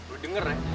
eh lo denger ya